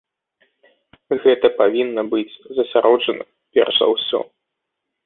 Гэта павінна быць засяроджана перш за ўсё.